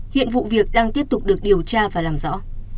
hiện vụ việc đang tiếp tục được điều tra và làm rõ